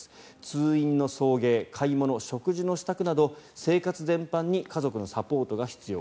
通院の送迎、買い物食事の支度など生活全般に家族のサポートが必要。